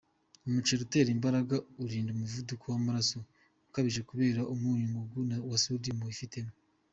Umuceli utera imbaraga, urinda umuvuduko w’amaraso ukabije kubera umunyu ngugu wa sodium wifitemo.